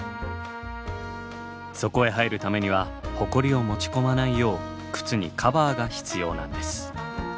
そこへ入るためにはホコリを持ち込まないよう靴にカバーが必要なんです。